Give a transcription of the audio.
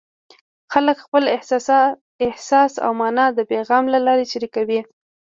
خلک خپل احساس او مانا د پیغام له لارې شریکوي.